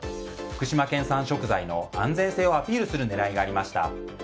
福島県産食材の安全性をアピールする狙いがありました。